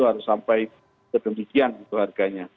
harus sampai ke kebijian itu harganya